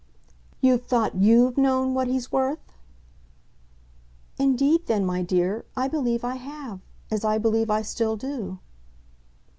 "You've thought YOU'VE known what he's worth?" "Indeed then, my dear, I believe I have as I believe I still do."